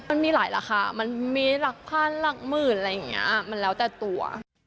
มันมีหลายราคามันมีหลักพลาดหลักหมื่นมันแล้วแต่ตัว